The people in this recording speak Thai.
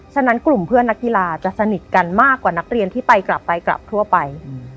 ฉะนั้นกลุ่มเพื่อนนักกีฬาจะสนิทกันมากกว่านักเรียนที่ไปกลับไปกลับทั่วไป